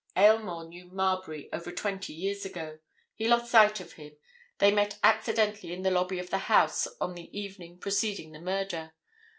Aylmore knew Marbury over twenty years ago. He lost sight of him. They met accidentally in the lobby of the House on the evening preceding the murder.